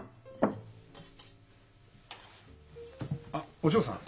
あっお嬢さん。